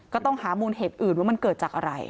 ก็ต้องหามูลเหตุอื่นว่ามันเกิดจากอะไร